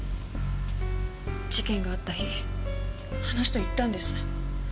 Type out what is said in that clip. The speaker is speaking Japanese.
事件があった日あの人言ったんです。